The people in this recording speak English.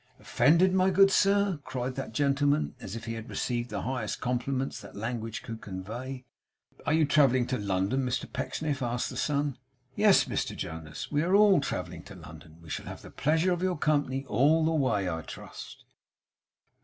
'Offended, my good sir!' cried that gentleman, as if he had received the highest compliments that language could convey. 'Are you travelling to London, Mr Pecksniff?' asked the son. 'Yes, Mr Jonas, we are travelling to London. We shall have the pleasure of your company all the way, I trust?